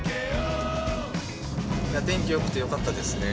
天気よくてよかったですね。